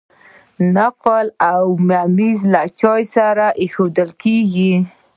نقل او ممیز له چای سره ایښودل کیږي.